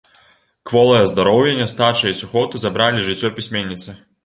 Кволае здароўе, нястача і сухоты забралі жыццё пісьменніцы.